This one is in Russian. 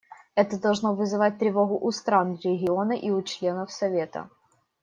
Это должно вызывать тревогу у стран региона и у членов Совета.